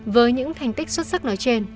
với những thành tích xuất sắc nói trên